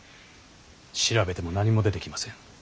調べても何も出てきません。